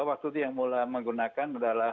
waktu itu yang mulai menggunakan adalah